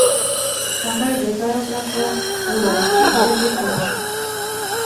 هغه اجازه راکړه خو وویل چې ژر بېرته راشه